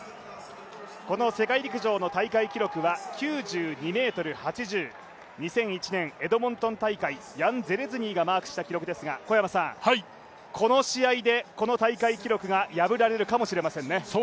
この世界陸上の大会記録は９２ｍ８０、２００１年エドモントン大会、ヤン・ゼレズニーが記録した記録ですがこの試合でこの大会記録が破られるかもしれませんね。